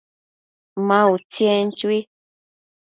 Ma utsi, en chui